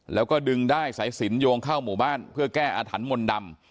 แล้วก็ดึงได้สายสินโยงเข้าหมู่บ้านเพื่อแก้อาถรรพ์มนต์ดำ